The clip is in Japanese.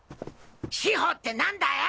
シホって何だよ！？